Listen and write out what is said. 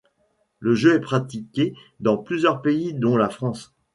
Le jeu est pratiqué dans plusieurs pays dont la France.